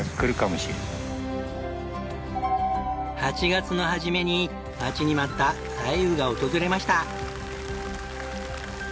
８月の初めに待ちに待った雷雨が訪れました。